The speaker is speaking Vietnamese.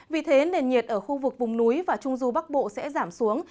vì thế nền nhiệt ở khu vực vùng núi và trung du bắc bộ sẽ giảm xuống